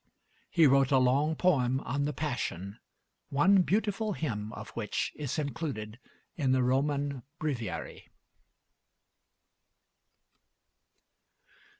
He wrote a long poem on the Passion, one beautiful hymn of which is included in the Roman Breviary.